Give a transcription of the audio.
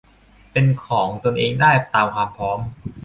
เป็นของตนเองได้ตามความพร้อม